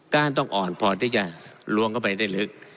้านต้องอ่อนพอที่จะล้วงเข้าไปได้ลึก